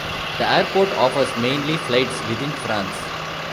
The airport offers mainly flights within France.